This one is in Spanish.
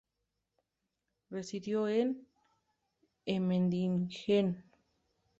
Residió en Emmendingen.